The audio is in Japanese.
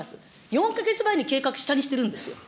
４か月前の計画、したにしてるんですよ。